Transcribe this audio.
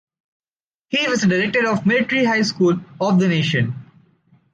He was the director of the Military High School of the Nation.